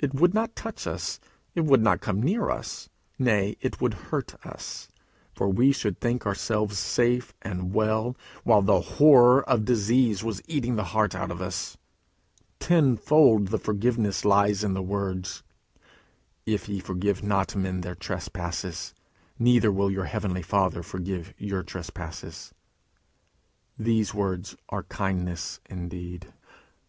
It would not touch us. It would not come near us. Nay, it would hurt us, for we should think ourselves safe and well, while the horror of disease was eating the heart out of us. Tenfold the forgiveness lies in the words, "If ye forgive not men their trespasses, neither will your heavenly Father forgive your trespasses." Those words are kindness indeed.